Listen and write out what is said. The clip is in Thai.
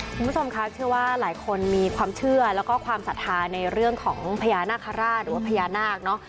คุณผู้ชมคะเชื่อว่าหลายคนมีความเชื่อแล้วก็ความศรัทธาในเรื่องของพญานาคาราชหรือว่าพญานาคเนอะ